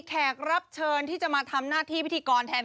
มีแค่รับเชิญที่จะมาทำหน้าที่บินกัน